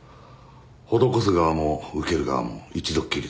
施す側も受ける側も一度っきりだ。